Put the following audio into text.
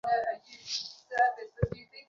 বাজি ধরে বলতে পারি, তুমি স্কটিশ নও।